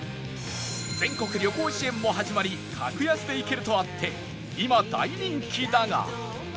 全国旅行支援も始まり格安で行けるとあって今大人気だが